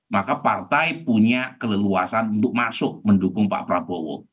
maka partai punya keleluasan untuk masuk mendukung pak prabowo